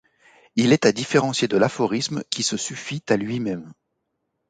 Il est à différencier de l'aphorisme qui se suffit à lui-même.